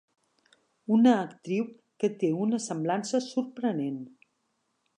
Una actriu que té una semblança sorprenent.